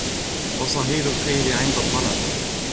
و صهيل الخيل عند الطلب